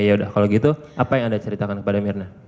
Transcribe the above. ya udah kalau gitu apa yang anda ceritakan kepada mirna